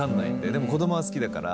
でも子供は好きだから。